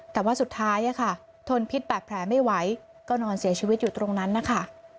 แต่ว่าสุดท้ายทนพิษบาดแผลไม่ไหวก็นอนเสียชีวิตอยู่ตรงนั้นนะคะ